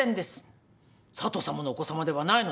佐都さまのお子さまではないのですから。